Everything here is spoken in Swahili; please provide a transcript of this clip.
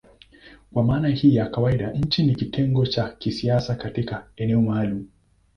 Kwa maana hii ya kawaida nchi ni kitengo cha kisiasa katika eneo maalumu.